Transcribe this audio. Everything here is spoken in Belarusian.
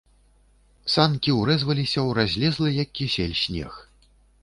Санкі ўрэзваліся ў разлезлы, як кісель, снег.